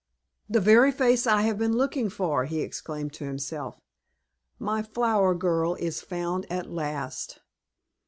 "The very face I have been looking for!" he exclaimed to himself. "My flower girl is found at last!"